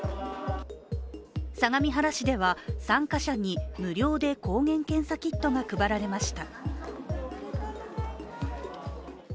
相模原市では参加者に無料で抗原検査キットが配られました。